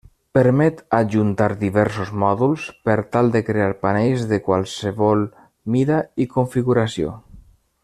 Permet ajuntar diversos mòduls per tal de crear panells de qualsevol mida i configuració.